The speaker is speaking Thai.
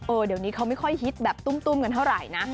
เดี๋ยวนี้เขาไม่ค่อยฮิตแบบตุ้มกันเท่าไหร่นะ